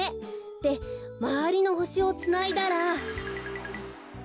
でまわりのほしをつないだら。